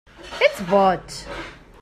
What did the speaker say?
Ets boig.